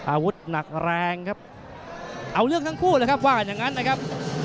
อาวุธหนักแรงครับเอาเรื่องทั้งคู่เลยครับว่าอย่างนั้นนะครับ